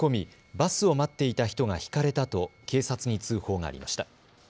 バスを待っていた人がひかれたと警察に通報がありました。